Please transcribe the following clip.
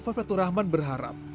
afan praturahman berharap